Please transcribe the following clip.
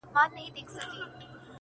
چي ستاینه د مجنون د زنځیر نه وي,